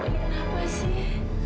ini kenapa sih